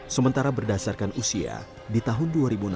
sementara berdasarkan usia di tahun dua ribu enam belas